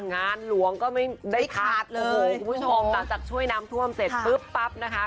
งานหลวงก็ไม่ได้ขาดเลยคุณผู้ชมหลังจากช่วยน้ำท่วมเสร็จปุ๊บปั๊บนะคะ